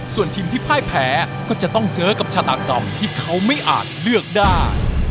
ส่วนทีมที่พ่ายแพ้ก็จะต้องเจอกับชาตากรรมที่เขาไม่อาจเลือกได้